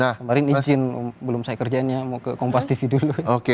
kemarin izin belum saya kerjanya mau ke kompas tv dulu